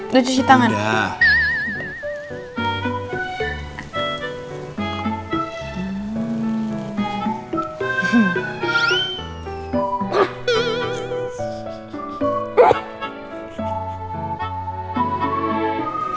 udah cuci tangan